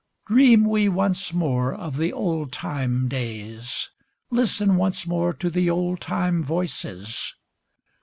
Dream we once more of the old time days. Listen once more to the old time voices!